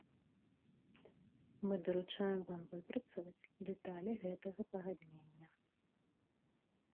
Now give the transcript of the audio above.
Мы даручаем вам выпрацаваць дэталі гэтага пагаднення.